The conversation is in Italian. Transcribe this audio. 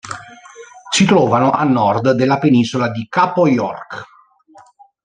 Si trovano a nord della penisola di Capo York.